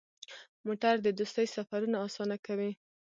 موټر د دوستۍ سفرونه اسانه کوي.